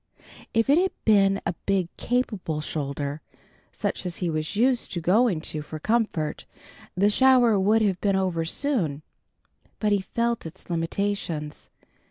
If it had been a big capable shoulder, such as he was used to going to for comfort, the shower would have been over soon. But he felt its limitations.